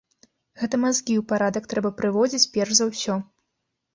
Гэта мазгі ў парадак трэба прыводзіць перш за ўсё.